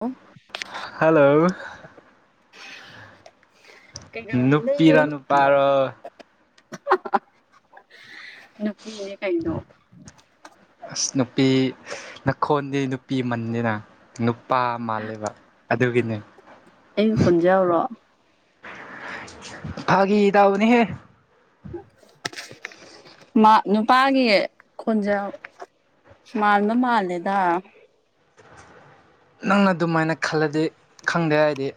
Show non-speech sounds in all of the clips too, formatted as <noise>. ꯑꯣ ꯍꯜꯂꯣ <unintelligible> ꯅꯨꯞꯄꯤꯔ ꯅꯨꯄꯥꯔ‌ꯣ ꯅꯨꯞꯄꯤꯅꯦ ꯀꯩꯅꯣ ꯑꯁ ꯅꯨꯞꯄꯤ ꯅꯈꯣꯟꯗꯤ ꯅꯨꯞꯄꯤ ꯃꯟꯗꯦꯅ ꯅꯨꯞꯄꯥ ꯃꯥꯜꯂꯦꯕ ꯑꯗꯨꯒꯤꯅ‌ꯦ ꯑꯩ ꯈ‌ꯣꯟꯖ‌ꯦꯜꯔꯣ ꯐꯥꯒꯤ ꯗꯧꯕꯅꯤꯍꯦ <unintelligible> ꯃꯥ ꯅꯨꯄꯥꯒꯤ ꯈꯣꯟꯖꯦꯜ ꯃꯥꯟꯕ ꯃꯥꯜꯂꯦꯗ ꯅꯪ ꯑꯗꯨꯃꯥꯏꯅ ꯈꯜꯂꯗꯤ ꯈꯪꯗꯦ ꯑꯩꯗꯤ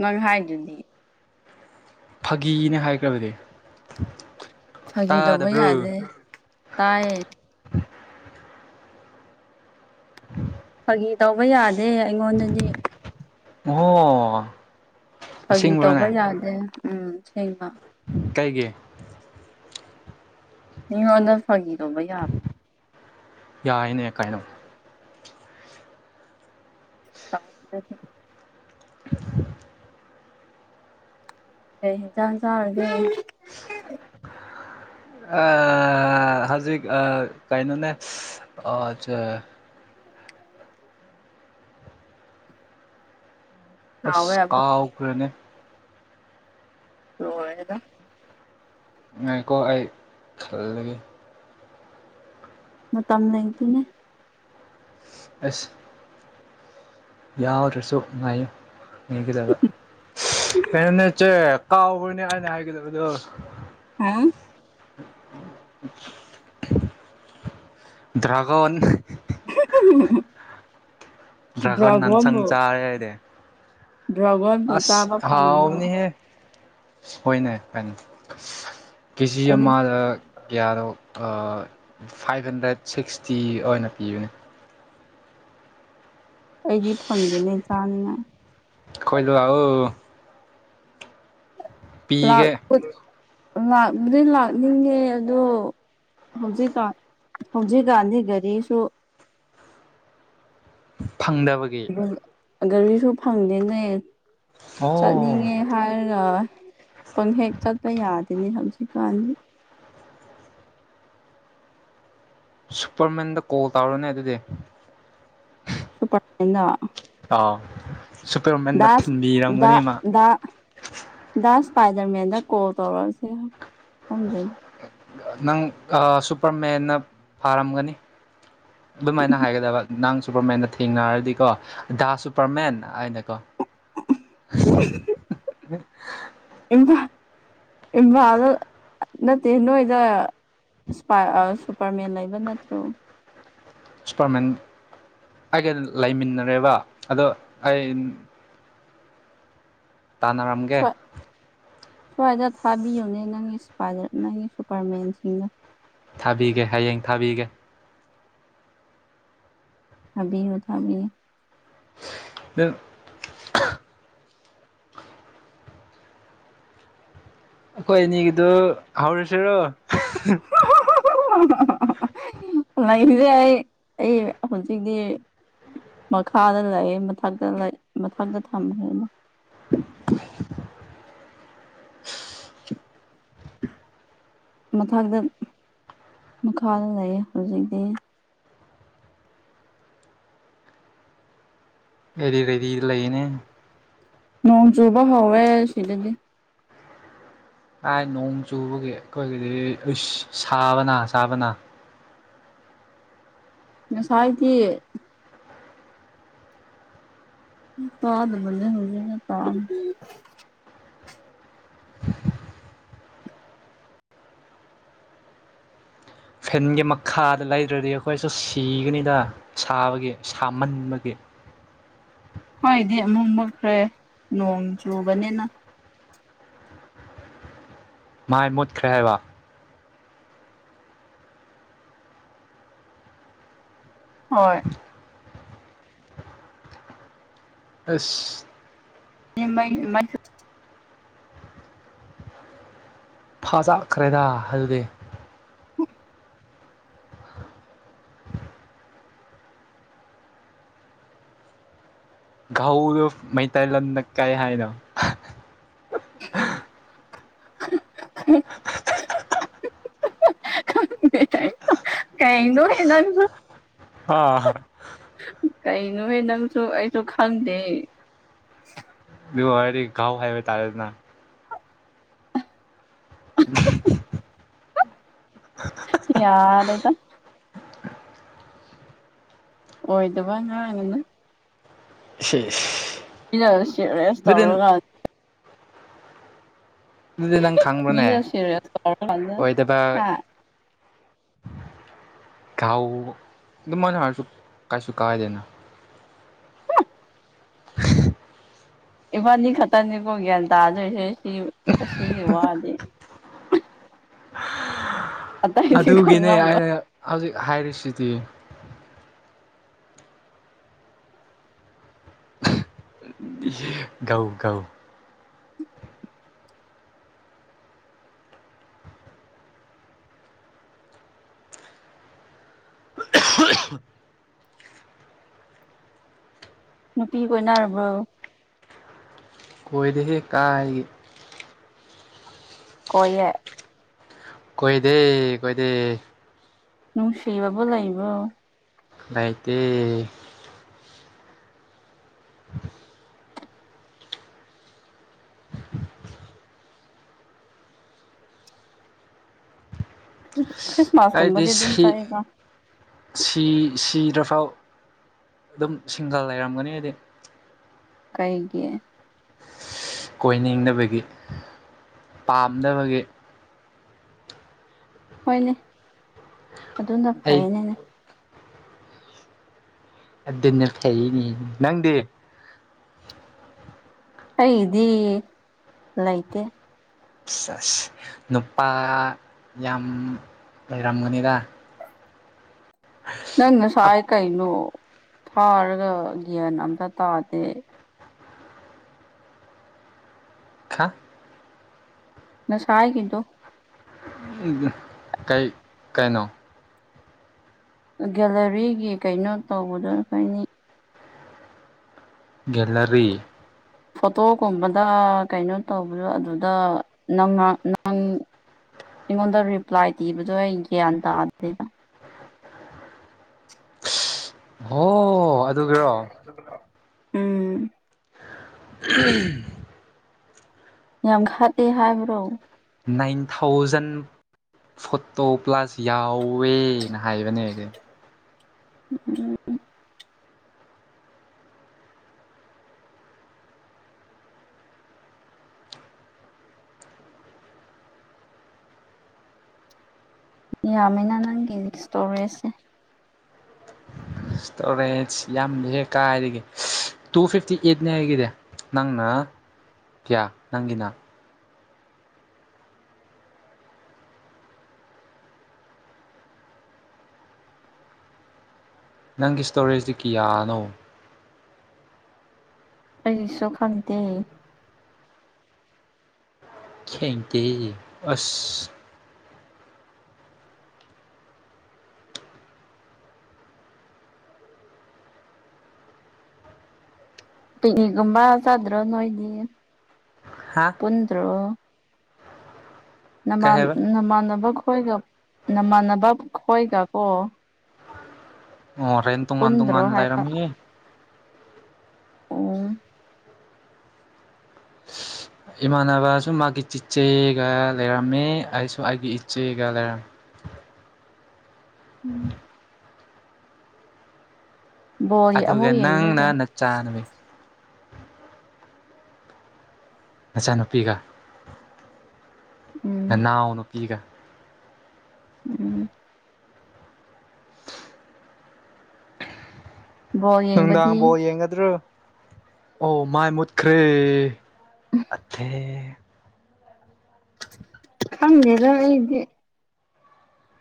ꯅꯪ ꯍꯥꯏꯗꯨꯗꯤ ꯐꯥꯒꯤꯅꯦ ꯍꯥꯏꯈ꯭ꯔꯕꯗꯤ ꯐꯥꯒꯤ ꯗꯧꯕ ꯇꯥꯗꯕ꯭ꯔꯣ ꯌꯥꯗꯦ ꯇꯥꯏ ꯐꯥꯒꯤ ꯇꯧꯕ ꯌꯥꯗꯦ ꯑꯩꯉꯣꯟꯗꯗꯤ ꯑꯣ ꯐꯥꯒꯤ ꯇꯧꯕ ꯑꯁꯦꯡꯕ꯭ꯔꯣꯅꯦ ꯌꯥꯗꯦ ꯎꯝ ꯁꯦꯡꯃ ꯀꯩꯒꯤ ꯃꯤꯉꯣꯟꯗ ꯐꯥꯒꯤꯗꯧꯕ ꯌꯥ ꯌꯥꯏꯅꯦ ꯀꯩꯅꯣ <unintelligible> <inaudible> ꯀꯩ ꯍ‌ꯦꯟꯖꯥꯡ ꯆꯥꯔꯒ‌ꯦ ꯑꯥ ꯍꯧꯖꯤꯛ ꯑꯥ ꯀꯩꯅꯣ ꯅꯦ ꯑꯥ ꯖ <inaudible> ꯍꯥꯎꯋꯦ ꯑꯁ ꯑꯃꯨꯛ ꯀꯥꯎꯈ꯭ꯔꯅꯦ ꯂ‌ꯣꯏꯔ‌ꯦꯗ ꯉꯥꯏꯈ‌ꯣ ꯑꯩ ꯈꯜꯂꯤꯒ‌ꯦ ꯃꯇꯝ ꯂꯩ ꯇ‌ꯦꯅꯦ ꯑꯁ ꯌꯥꯎꯗ꯭ꯔꯁꯨ ꯉꯥꯏꯌꯨ ꯌꯦꯡꯒꯗꯕ ꯀꯩꯅꯣꯅꯦ ꯆꯦ ꯀꯥꯎꯒ꯭ꯔꯤꯅꯦ ꯑꯩꯅ ꯍꯥꯏꯒꯗꯕꯗꯣ <unintelligible> ꯗ꯭ꯔꯒꯣꯟ <unintelligible> ꯗ꯭ꯔꯒ‌ꯣꯟ ꯅꯥꯟꯁꯪ ꯆꯥꯔꯦ ꯑꯩꯗꯤ ꯗ꯭ꯔꯒꯣꯟ ꯑꯁ ꯑꯍꯥꯎ ꯕꯅꯤꯍꯦ ꯍꯣꯏꯅꯦ ꯐꯩꯅꯦ ꯀꯦꯖꯤ ꯑꯩꯗꯤ ꯑꯃꯥꯂꯛ ꯀꯤꯌꯥꯅ‌ꯣ ꯑꯥ ꯐꯥꯏꯚ ꯍꯟꯗ꯭ꯔꯦꯠ ꯁꯤꯛꯁꯇꯤ ꯑꯣꯏꯅ ꯄꯤꯕꯅꯦ ꯑꯩꯗꯤ ꯐꯪꯗꯦꯅꯦ ꯆꯥꯅꯤꯉꯥꯏ ꯈ‌ꯣꯏꯗ ꯂꯥꯑ‌ꯣ ꯄꯤꯒꯦ ꯂꯥꯛꯄꯒꯤ ꯂꯥꯛꯄꯗꯤ ꯂꯥꯛꯅꯤꯡꯉꯦ ꯑꯗꯣ ꯍꯧꯖꯤꯛꯀꯥꯟ ꯍꯧꯖꯤꯛꯀꯥꯟꯗꯤ ꯒꯥꯔꯤꯁꯨ ꯐꯪꯗꯕꯒꯤ ꯒꯥꯔꯤꯁꯨ ꯐꯪꯗꯦꯅꯦ ꯑꯣ ꯆꯠꯅꯤꯡꯉꯦ ꯍꯥꯏꯔ ꯄꯪꯍꯦꯛ ꯆꯠꯄ ꯌꯥꯗꯦꯅꯦ ꯍꯧꯖꯤꯛꯀꯥꯟꯗꯤ ꯁꯨꯄꯔꯃꯦꯟꯗ ꯀꯣꯜ ꯇꯧꯔꯅꯦ ꯑꯗꯨꯗꯤ ꯄ <inaudible> <unintelligible> ꯑꯥꯎ ꯁꯨꯄꯔꯃꯦꯟꯅ ꯊꯤꯟꯕꯤꯔꯝꯒꯅꯤ ꯃꯥ ꯗꯥ ꯗꯥ ꯏꯁꯄꯥꯏꯗꯔ ꯃꯦꯟꯗ ꯀꯣꯜ ꯇꯧꯔꯁꯤꯔꯥ ꯈꯪꯗꯦꯅꯦ ꯅꯪ ꯑꯥ ꯁꯨꯄꯔꯃꯦꯟꯅ ꯐꯥꯔꯝꯒꯅꯤ ꯑꯗꯨꯃꯥꯏꯅ ꯍꯥꯏꯒꯗꯕ ꯅꯥꯡ ꯁꯨꯄꯔꯃꯦꯟꯅ ꯊꯦꯡꯅꯔꯗꯤꯀꯣ ꯗꯥ ꯁꯨꯄꯔꯃꯦꯟ ꯍꯥꯏꯅꯀꯣ ꯎ <unintelligible> <inaudible> ꯎ <unintelligible> <inaudible> ꯏꯝꯐꯥꯜ ꯏꯝꯐꯥꯜꯗ ꯅꯠꯇꯦ ꯅꯣꯏꯗ ꯏꯥꯁꯄꯥꯏ ꯑꯥ ꯁꯨꯄꯔꯃꯦꯟ ꯂꯩꯕ ꯅꯠꯇ꯭ꯔꯣ ꯁꯄꯔꯃꯅꯦꯟ ꯑꯩꯒ ꯂꯩꯃꯤꯟꯅꯔꯦꯕ ꯑꯗꯣ ꯑꯩ ꯇꯥꯟꯅꯔꯝꯒꯦ ꯍꯣꯏ ꯑꯗꯣ ꯊꯕꯤꯌꯨꯅꯦ ꯅꯪꯒꯤ ꯏꯁꯄꯥꯏꯗꯔ ꯅꯪꯒꯤ ꯁꯨꯄꯔꯃꯦꯟꯁꯤꯡꯅ ꯊꯥꯕꯤꯒꯦ ꯍꯌꯦꯡ ꯊꯥꯕꯤꯒꯦ ꯊꯕꯤꯌꯨ ꯊꯕꯤꯌꯨ ꯑꯗꯨ ꯑꯩꯈꯣꯏ ꯑꯅꯤꯒꯤꯗꯨ ꯍꯧꯔꯁꯤꯔꯣ ꯂꯩꯔꯤꯁꯦ ꯑꯩ ꯑꯩ ꯍꯧꯖꯤꯛꯗꯤ ꯃꯈꯥꯗ ꯂꯩꯌꯦ ꯃꯊꯛꯇ ꯂꯩ ꯃꯊꯛꯇ ꯊꯝꯈ꯭ꯔꯦ ꯑꯩꯅ ꯃꯊꯛꯇ ꯃꯈꯥꯗ ꯂꯩꯌꯦ ꯍꯧꯖꯤꯛꯇꯤ ꯑꯦꯗꯤ ꯔꯦꯗꯤꯗ ꯂꯩꯌꯦꯅꯦ ꯅꯣꯡ ꯆꯨꯕ ꯍꯧꯋꯦ ꯁꯤꯗꯗꯤ ꯀꯥꯏ ꯅꯣꯡ ꯆꯨꯕꯒꯤ ꯑꯩꯈꯣꯏꯒꯤꯗꯤ ꯏꯁ ꯁꯥꯕꯅ ꯁꯥꯥꯕꯅ ꯉꯁꯥꯏꯗꯤ ꯐꯗꯕꯅꯤ ꯍꯧꯒꯅꯦ ꯀꯥꯝ <unintelligible> <inaudible> ꯐꯦꯟꯒꯤ ꯃꯈꯥꯗ ꯂꯩꯗ꯭ꯔꯗꯤ ꯑꯩꯈꯣꯏꯁꯨ ꯁꯤꯒꯅꯤꯗ ꯁꯥꯕꯒꯤ ꯁꯥꯃꯟꯕꯒꯤ ꯍꯣꯏꯗꯤ ꯑꯃꯨꯛ ꯃꯨꯠꯈ꯭ꯔꯦ ꯅꯣꯡ ꯆꯨꯕꯅꯤꯅ ꯃꯥꯏ ꯃꯨꯠꯈ꯭ꯔꯦ ꯍꯥꯏꯕ ꯍꯣꯏ ꯑꯁ ꯃ <unintelligible> <inaudible> ꯐꯥꯖꯈ꯭ꯔꯦꯗ ꯑꯗꯨꯗꯤ ꯎꯝ <unintelligible> <inaudible> ꯒꯍꯧꯂꯨꯞ ꯃꯩꯇꯩ ꯂꯣꯟꯗ ꯀꯥꯏ ꯍꯥꯏꯅꯣ ꯑ <unintelligible> <inaudible> ꯀꯩꯅꯣꯍꯦ ꯅꯥꯪꯁꯨ ꯍꯥ ꯑꯥ ꯀꯩꯅꯣꯍꯦ ꯅꯪꯁꯨ ꯑꯩꯁꯨ ꯈꯪꯗꯦ ꯗꯨ ꯍꯥꯢꯔꯗꯤ ꯒꯥꯎ ꯍꯥꯢꯕ ꯇꯥꯔꯦꯗꯅ <unintelligible> <unintelligible> ꯌꯥꯔꯦꯗ ꯑꯣꯏꯗꯕ ꯉꯥꯡꯉꯅꯨ ꯁꯤꯁ <unintelligible> ꯁꯤꯔꯦꯁ ꯑꯗꯨꯗꯤ ꯇꯧꯔꯒ ꯑꯗꯨꯗꯤ ꯅꯪ ꯈꯪꯕ꯭ꯔꯣꯅꯦ ꯃꯤꯅ ꯁꯦꯔꯤꯌꯁ ꯇꯧꯔꯀꯥꯟꯗ ꯑꯣꯏꯗꯕ ꯍꯥ ꯀꯥꯎ ꯑꯗꯨꯃꯥꯏꯅ ꯍꯥꯢꯔꯁꯨ ꯀꯥꯏꯁꯨ ꯀꯥꯏꯗꯦꯅ <unintelligible> ꯏꯕꯥꯅꯤ ꯈꯠꯇꯅꯦꯀꯣ ꯒ꯭ꯌꯥꯟ ꯇꯥꯗꯣꯏꯁꯤ ꯁꯤ ꯑꯁꯤꯒꯤ ꯋꯥꯗꯤ ꯑꯇꯩꯗꯤ ꯑꯗꯨꯒꯤꯅꯦ ꯑꯩꯅ ꯈꯪꯂꯝꯂꯣꯏ ꯍꯧꯖꯤꯛ ꯍꯥꯏꯔꯤꯁꯤꯗꯤ ꯢꯍꯦ ꯒꯧ ꯒꯧ ꯅꯨꯄꯤ ꯀꯣꯏꯅꯔꯕ꯭ꯔꯣ ꯀꯣꯏꯗꯦꯍꯦ ꯀꯥꯏꯗꯒꯤ ꯀꯣꯏꯌꯦ ꯀꯣꯏꯗꯦ ꯀꯣꯏꯗꯦ ꯅꯨꯡꯁꯤꯕꯕꯨ ꯂꯩꯕ꯭ꯔꯣ ꯂꯩꯇꯦ ꯈ꯭ꯔꯤꯁꯃꯥꯁ ꯑꯩꯗꯤ ꯀꯨꯝꯕꯗꯤ ꯑꯗꯨꯝ ꯁꯤ ꯆꯠꯂꯤꯀꯥ ꯁꯤ ꯁꯤꯗ꯭ꯔꯐꯥꯎ ꯑꯗꯨꯝ ꯁꯤꯡꯒꯜ ꯂꯩꯔꯝꯒꯅꯤ ꯑꯩꯗꯤ ꯀꯩꯒꯤ ꯀꯣꯏꯅꯤꯡꯗꯕꯒꯤ ꯄꯥꯝꯗꯕꯒꯤ ꯍꯣꯏꯅꯦ ꯑꯗꯨꯅ ꯑꯩ ꯐꯩꯅꯦꯅꯦ ꯑꯗꯨꯅ ꯐꯩꯅꯦ ꯅꯪꯗꯤ ꯑꯩꯒꯤꯗꯤ ꯂꯩꯇꯦ ꯑꯁ ꯑꯁ ꯅꯨꯄꯥ ꯌꯥꯝ ꯂꯩꯔꯝꯒꯅꯤꯗ ꯅꯪ ꯉꯁꯥꯏ ꯀꯩꯅꯣ ꯊꯥꯔꯒ ꯒ꯭ꯌꯥꯟ ꯑꯝꯇ ꯇꯥꯗꯦ ꯈꯥ ꯉꯁꯥꯏꯒꯤꯗꯣ ꯎꯪꯒ ꯀꯩ ꯀꯩꯅꯣ ꯒꯦꯂꯔꯤꯒꯤ ꯀꯩꯅꯣ ꯇꯧꯕꯗ ꯑꯩꯈꯣꯏꯅꯤ ꯒꯦꯂꯔꯤ ꯐꯣꯇꯣꯀꯨꯝꯕꯗ ꯀꯩꯅꯣ ꯇꯧꯕꯗꯣ ꯑꯗꯨꯗ ꯅꯪꯅ ꯅꯪ ꯑꯩꯉꯣꯟꯗ ꯔꯤꯄ꯭ꯂꯥꯏ ꯄꯤꯕꯗꯣ ꯑꯩ ꯒ꯭ꯌꯥꯟ ꯇꯥꯗꯦꯕ ꯑꯣ ꯑꯗꯨꯒꯤꯔꯣ ꯎꯝ <unintelligible> ꯌꯥꯝ ꯈꯠꯂꯦ ꯍꯥꯏꯕ꯭ꯔꯣ ꯅꯥꯏꯟ ꯊꯥꯎꯖꯟ ꯐꯣꯇꯣ ꯄ꯭ꯂꯁ ꯌꯥꯎꯋꯦꯅ ꯍꯥꯏꯕꯅꯦ ꯑꯩꯗꯤ <unintelligible> ꯌꯥꯝꯃꯤꯅ ꯅꯪꯒꯤ ꯁ꯭ꯇꯣꯔ꯭ꯦꯖꯁꯦ ꯁ꯭ꯇꯣꯔꯦꯠꯁ ꯌꯥꯝꯅ ꯍꯦꯛ ꯀꯥꯏꯗꯒꯤ ꯇꯨ ꯐꯤꯐꯇꯤ ꯑꯩꯠꯅꯦ ꯑꯩꯒꯤꯗꯤ ꯅꯪꯅ ꯀ꯭ꯌꯥ ꯅꯪꯒꯤꯅ ꯅꯪꯒꯤ ꯁ꯭ꯇꯣꯔꯦꯖꯇꯤ ꯀꯤꯌꯥꯅꯣ ꯑꯩꯁꯨ ꯈꯪꯗꯦ ꯈꯦꯡꯗꯦ ꯑꯁ ꯄꯤꯛꯅꯤꯛꯒꯨꯝꯕ ꯆꯗ꯭ꯔꯣ ꯅꯣꯏꯗꯤ ꯍꯥꯥ ꯄꯨꯟꯗ꯭ꯔꯣ ꯀꯩ ꯅꯃꯥꯟ ꯍꯥꯏꯕ ꯅꯃꯥꯟꯅꯕ ꯈꯣꯏꯒ ꯅꯃꯥꯟꯅꯕ ꯈꯣꯏꯒ ꯀꯣ ꯑꯣ ꯍꯣꯔꯦꯟ ꯇꯣꯉꯥꯟ ꯄꯨꯟꯗ꯭ꯔꯣ ꯇꯣꯉꯥꯟ ꯍꯥꯏꯕ ꯂꯩꯔꯝꯅꯤ ꯑꯣ ꯏꯃꯥꯟꯅꯕꯁꯨ ꯃꯥꯒꯤ ꯆꯤꯆꯦꯒ ꯂꯩꯔꯝꯃꯦ ꯑꯩꯁꯨ ꯑꯩꯒꯤ ꯏꯆꯦꯒ ꯂꯩꯔꯝꯃꯤ ꯎꯝ ꯕꯣꯜ ꯑꯗꯨꯒ ꯑꯃꯨꯛ ꯅꯪꯅ ꯌꯦꯡꯗꯣꯏꯔꯣ ꯅꯆꯥ ꯅꯃꯤ ꯅꯆꯥꯅꯨꯄꯤꯒ ꯎꯝ ꯅꯅꯥꯎ ꯅꯨꯄꯤꯒ ꯎꯝ ꯕꯣꯜ ꯅꯨꯡꯗꯥꯡ ꯌꯦꯡꯕꯗꯤ ꯕꯣꯜ ꯌꯦꯡꯒꯗ꯭ꯔꯣ ꯑꯣ ꯃꯥꯏ ꯃꯨꯠꯈ꯭ꯔꯦ ꯑꯊꯦ ꯈꯪꯗꯦꯗ ꯑꯩꯗꯤ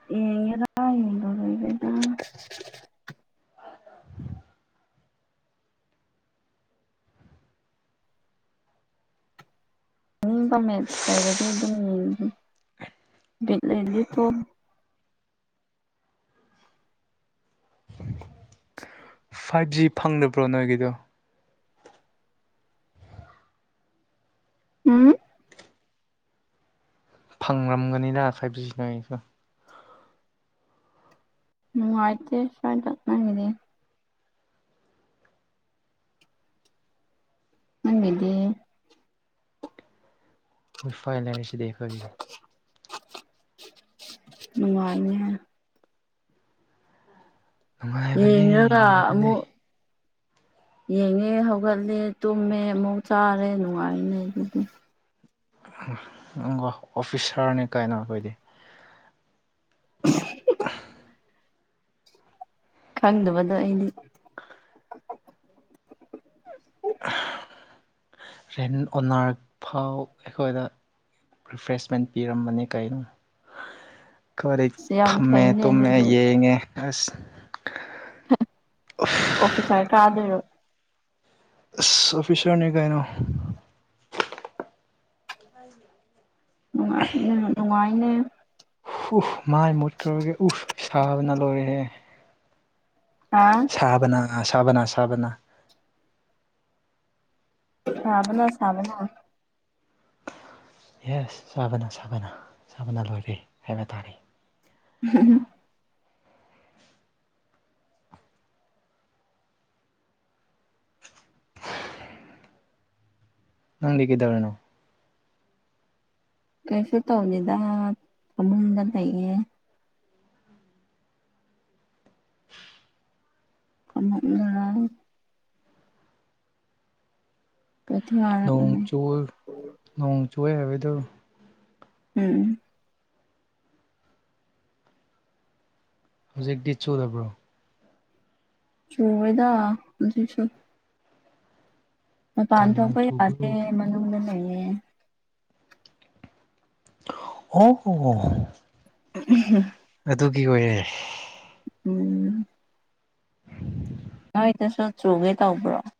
inaudible ꯑꯅꯤꯡꯕ ꯃꯦꯠꯁ ꯂꯩꯔꯗꯤ ꯑꯗꯨꯝ ꯌꯦꯡꯉꯤꯕꯤꯠ ꯂꯩꯔꯗꯤ ꯐꯥꯏꯚ ꯖꯤ ꯐꯪꯗꯕ꯭ꯔꯣ ꯅꯣꯏꯒꯤꯗꯣ ꯎꯝ ꯐꯪ꯭ꯔꯝꯒꯅꯤꯅ ꯐꯥꯏꯚꯖꯤꯅ ꯅꯣꯏꯁꯨ ꯅꯨꯡꯉꯥꯏꯇꯦ ꯁꯥꯏꯗꯥ ꯅꯪꯒꯤꯗꯤ ꯃꯣꯏ ꯐꯥꯏꯜ ꯂꯩ ꯍꯥꯏꯔꯤꯁꯤꯗꯤ ꯑꯩꯈꯣꯏꯒꯤꯗꯤ ꯅꯨꯡꯉꯥꯏꯅꯤ ꯅꯨꯡꯉꯥꯏꯕꯅꯤ ꯌꯦꯡꯔꯒ ꯅꯨꯡꯉꯥꯏꯕꯅꯤ ꯑꯃꯨꯛ ꯌꯦꯡꯉꯦ ꯍꯧꯒꯠꯂꯦ ꯇꯨꯝꯃꯦ ꯑꯃꯨꯛ ꯆꯥꯔꯦ ꯅꯨꯡꯉꯥꯏꯅꯦ ꯑꯗꯨꯗꯤ ꯅꯪ ꯑꯣꯐꯤꯁꯥꯔꯅꯤ ꯀꯥꯏꯅꯣ ꯑꯩꯈꯣꯏꯗꯤ unintelligible unintelligible ꯈꯪꯗꯕꯗꯣ ꯑꯩꯗꯤ unintelligible ꯔꯦꯟ ꯑꯣꯟꯅꯔꯛ ꯐꯥꯎ ꯑꯩꯈꯣꯏꯗ ꯔꯤꯐ꯭ꯔꯦꯁꯃꯦꯟ ꯄꯤꯔꯝꯕꯅꯤ ꯀꯩꯅꯣ ꯀꯔꯤ ꯑꯁ ꯌꯥꯝ ꯐꯝꯃꯦ ꯐꯩꯅꯦ ꯇꯨꯝꯃꯦ ꯑꯗꯨꯗꯤ ꯌꯦꯡꯉꯦ ꯑꯁ ꯑꯣꯐꯤꯁꯥꯔ ꯀꯥꯗꯣꯏꯔꯣ ꯑꯁ ꯑꯣꯐꯤꯁꯔꯅꯤ ꯀꯩꯅꯣ ꯍꯥꯏꯗꯤ ꯅꯨꯡꯉꯥꯏ ꯅꯨꯡꯉꯥꯏꯅ ꯎꯐ ꯃꯥꯏ ꯃꯨꯠꯈ꯭ꯔꯒ ꯎꯐ ꯁꯥꯕꯅ ꯂꯣꯏꯔꯦꯦ ꯍꯥꯥ ꯁꯥꯕꯅ ꯁꯥꯕꯅ ꯁꯥꯕꯅ ꯁꯥꯕꯅ ꯁꯥꯕꯅ ꯌꯦꯁ ꯆꯥꯕꯅ ꯁꯥꯥꯕꯅ ꯆꯥꯕꯅ ꯂꯣꯏꯔꯦ ꯍꯥꯏꯕ ꯇꯥꯔꯦ ꯍꯝ ꯅꯪꯗꯤ ꯀꯩꯗꯧꯔꯤꯅꯣ ꯀꯩꯁꯨ ꯇꯧꯅꯤꯗ ꯐꯃꯨꯡꯗ ꯂꯩꯌꯦ ꯑꯃꯛꯅ ꯑꯣꯠꯇꯥꯉꯥꯔ ꯅꯣꯡ ꯆꯨꯋꯥꯔ ꯅꯣꯡ ꯆꯨꯋꯦ ꯍꯥꯏꯕꯩꯗꯣ ꯎꯝ ꯍꯧꯖꯤꯛꯇꯤ ꯆꯨꯔꯥꯕ꯭ꯔꯣ ꯆꯨꯔꯋꯦꯗ ꯍꯧꯖꯤꯛꯁꯨ ꯃꯄꯥꯟ ꯀꯟꯅ ꯊꯣꯛꯄ ꯆꯨꯕ꯭ꯔꯣ ꯌꯥꯇꯦ ꯃꯅꯨꯡꯗ ꯂꯩꯌꯦ ꯑꯣ ꯍꯣ ꯎꯝꯍꯨꯝ ꯑꯗꯨꯒꯤ ꯑꯣꯏꯔꯦ ꯎꯝ ꯅꯣꯏꯗꯁꯨ ꯆꯨꯒꯦ ꯇꯧꯕ꯭ꯔꯣ